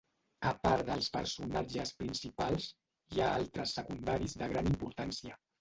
A part dels personatges principals, hi ha altres secundaris de gran importància.